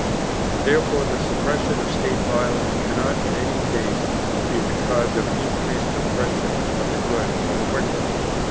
And therefore the suppression of state violence cannot in any case be the cause of increased oppression of the good by the wicked.